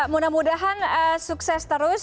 mudah mudahan sukses terus